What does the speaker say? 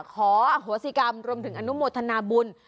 ขออโหสิกรรมรวมถึงอนุโมทนาบุญ